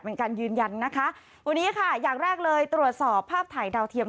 เป็นการยืนยันนะคะวันนี้ค่ะอย่างแรกเลยตรวจสอบภาพถ่ายดาวเทียม